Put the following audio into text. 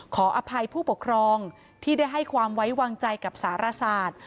ขออภัยผู้ปกครองที่ได้ให้ความไว้วางใจกับสารศาสตร์